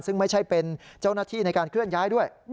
ซึ่งไม่ใช่เป็นเจ้าหน้าที่ในการเคลื่อนย้ายด้วย